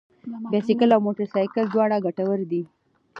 بايسکل او موټر سايکل دواړه ګټور دي.